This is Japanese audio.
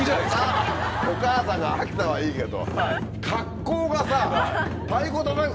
お母さんが秋田はいいけど。